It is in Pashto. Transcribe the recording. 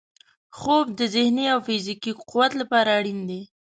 خوب د ذهني او فزیکي قوت لپاره اړین دی